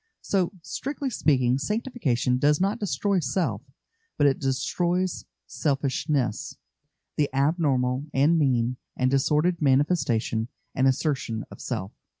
So, strictly speaking, sanctification does not destroy self, but it destroys selfishness the abnormal and mean and disordered manifestation and assertion of self.